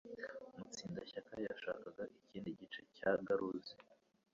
Mutsindashyaka yashakaga ikindi gice cya garuzi